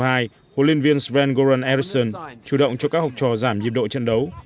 huấn luyện viên sven goran ericsson chủ động cho các học trò giảm dịp độ trận đấu